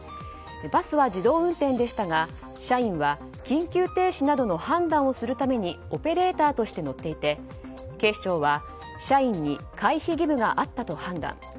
バスは自動運転でしたが社員は緊急停止などの判断をするためにオペレーターとして乗っていて警視庁は社員に回避義務があったと判断。